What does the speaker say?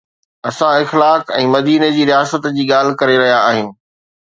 اسان اخلاق ۽ مديني جي رياست جي ڳالهه ڪري رهيا آهيون